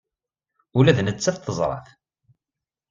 Ula d nettat teẓra-t.